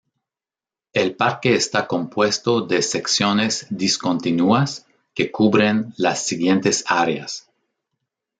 El parque está compuesto de secciones discontinuas que cubren las siguientes áreas.